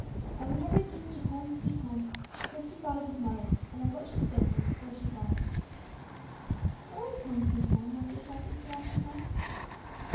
And whenever he came to "Home, sweet Home," Christie thought of his mother, and of what she had said to him before she died. "Where is 'Home, sweet Home,' Master Treffy?" he asked one night.